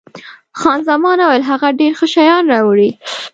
خان زمان وویل، هغه ډېر ښه شیان راوړي.